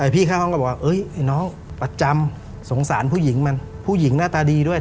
พี่ข้างห้องก็บอกว่าไอ้น้องประจำสงสารผู้หญิงมันผู้หญิงหน้าตาดีด้วย